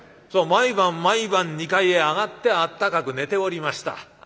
毎晩毎晩２階へ上がってあったかく寝ておりました。